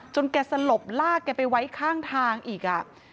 แกสลบลากแกไปไว้ข้างทางอีก